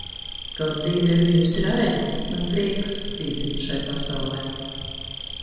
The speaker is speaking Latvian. Kaut dzīve ir bijusi raiba, man prieks, ka piedzimu šai pasaulē!